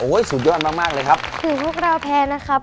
สุดยอดมากมากเลยครับถูกพวกเราแทนนะครับ